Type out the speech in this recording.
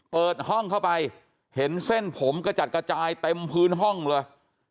เปิดห้องเข้าไปเห็นเส้นผมกระจัดกระจายเต็มพื้นห้องเลย